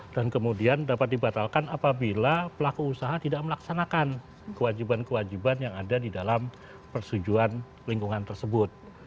dan kemudian dapat dibatalkan apabila pelaku usaha tidak melaksanakan kewajiban kewajiban yang ada di dalam persetujuan lingkungan tersebut